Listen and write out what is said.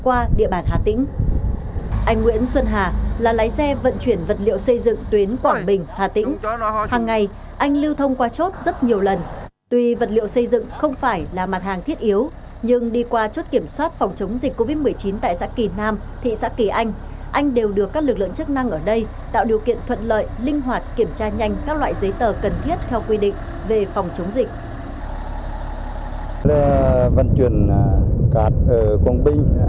anh nguyễn xuân hà là lấy xe vận chuyển vật liệu xây dựng tuyến quảng bình hà tĩnh hàng ngày anh lưu thông qua chốt rất nhiều lần tuy vật liệu xây dựng không phải là mặt hàng thiết yếu nhưng đi qua chốt kiểm soát phòng chống dịch covid một mươi chín tại xã kỳ nam thị xã kỳ anh anh đều đưa các lực lượng chức năng ở đây tạo điều kiện thuận lợi linh hoạt kiểm tra nhanh các loại giấy tờ cần thiết theo quy định về phòng chống dịch